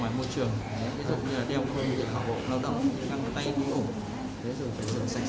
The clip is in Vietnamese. ví dụ như là dùng xe xe thì cũng đứng ra xây xác